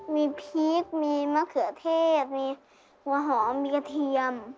มีพริกมีมะเขือเทศมีหัวหอมมีกระเทียม